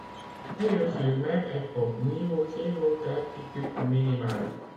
Cayeux-sur-Mer est au niveau zéro d’altitude minimale.